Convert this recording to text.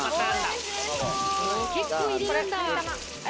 結構入れるんだ。